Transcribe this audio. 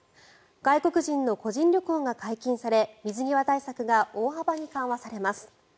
外国人の個人旅行が解禁され水際対策が大幅に緩和されます。